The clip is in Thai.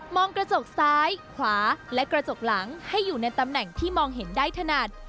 องกระจกซ้ายขวาและกระจกหลังให้อยู่ในตำแหน่งที่มองเห็นได้ถนัด